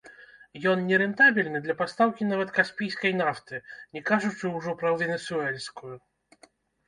Ён нерэнтабельны для пастаўкі нават каспійскай нафты, не кажучы ўжо пра венесуэльскую.